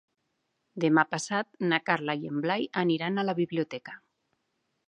Demà passat na Carla i en Blai aniran a la biblioteca.